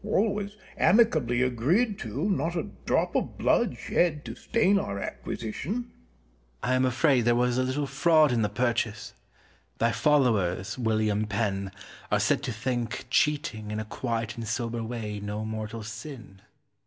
All was amicably agreed on, not a drop of blood shed to stain our acquisition. Cortez. I am afraid there was a little fraud in the purchase. Thy followers, William Penn, are said to think cheating in a quiet and sober way no mortal sin.